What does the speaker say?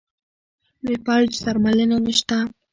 د فلج درملنه نشته.